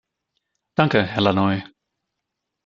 Danke, Herr Lannoye.